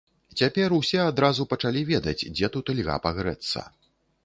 Цяпер усе адразу пачалі ведаць, дзе тут льга пагрэцца.